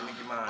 ini gimana sih